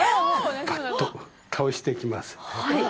ばっと倒していきます。